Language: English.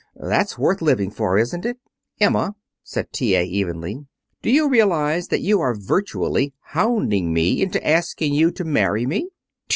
That's worth living for, isn't it?" "Emma," said T.A. evenly, "do you realize that you are virtually hounding me into asking you to marry me?"